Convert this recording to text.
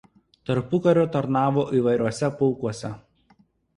Tarpukariu tarnavo įvairiuose pulkuose.